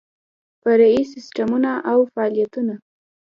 فرعي سیسټمونه او فعالیتونه